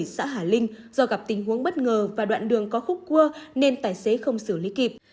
xã hà linh do gặp tình huống bất ngờ và đoạn đường có khúc cua nên tài xế không xử lý kịp